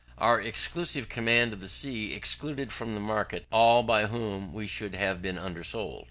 Our exclusive command of the sea excluded from the market all by whom we should have been undersold.